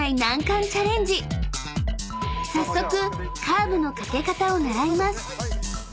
［早速カーブのかけ方を習います］